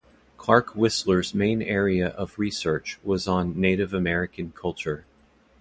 Clark Wissler's main area of research was on Native American Culture.